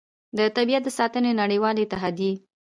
د طبیعت د ساتنې نړیوالې اتحادیې